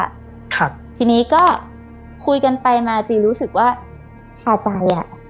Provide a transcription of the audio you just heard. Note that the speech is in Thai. ครับทีนี้ก็คุยกันไปมาจีรู้สึกว่าชาใจอ่ะ